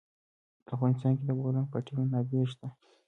په افغانستان کې د د بولان پټي منابع شته.